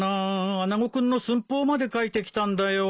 穴子君の寸法まで書いてきたんだよ。